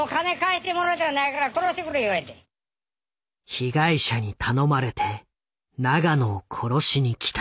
「被害者に頼まれて永野を殺しに来た」。